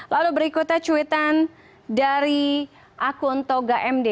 lalu berikutnya cuitan dari akun toga md